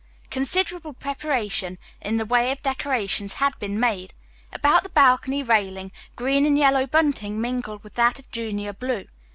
Considerable preparation in the way of decorations had been made. About the balcony railing green and yellow bunting mingled with that of junior blue.